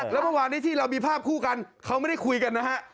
แล้วเมื่อวานนี้ที่เรามีภาพคู่กันเขาไม่ได้คุยกันนะฮะ